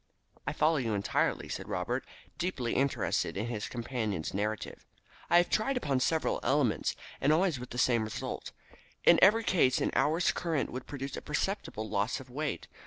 "I follow you entirely," said Robert, deeply interested in his companion's narrative. "I tried upon several elements, and always with the same result. In every case an hour's current would produce a perceptible loss of weight.